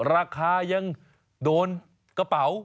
ราคายังโดนกระเป๋า